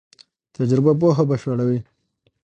تجربه پوهه بشپړوي.